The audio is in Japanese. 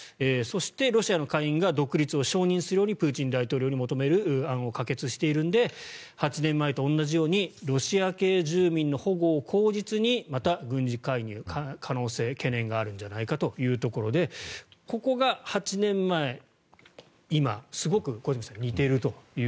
そして、ロシアの下院が独立を承認するようにプーチン大統領に求める案を可決しているので８年前と同じようにロシア系住民の保護を口実にまた軍事介入の可能性、懸念があるんじゃないかということで小泉さん、ここが８年前、今すごく似ていると。